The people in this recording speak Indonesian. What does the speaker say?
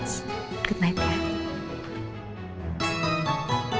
selamat malam ya